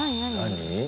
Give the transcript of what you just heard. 何？